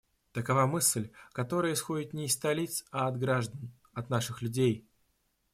Такова мысль, которая исходит не из столиц, а от граждан, от наших людей.